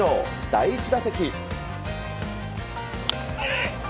第１打席。